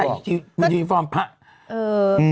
มีชีวิตฟังภักดิ์